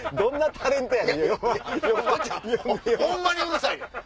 ホンマにうるさいねん。